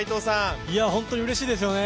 本当にうれしいですよね。